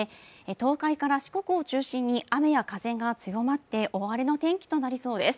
東海から四国を中心に雨や風が強まって大荒れの天気となりそうです。